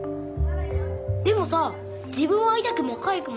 でもさ自分はいたくもかゆくもないわけじゃん。